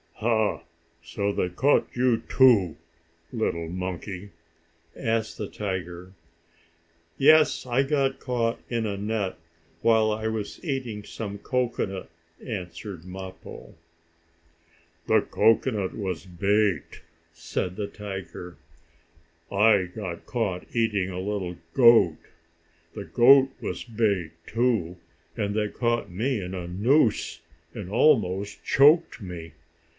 "Ha! So they caught you too, little monkey?" asked the tiger. "Yes, I got caught in a net, while I was eating some cocoanut," answered Mappo. "The cocoanut was bait," said the tiger. "I got caught eating a little goat. The goat was bait, too, and they caught me in a noose that almost choked me.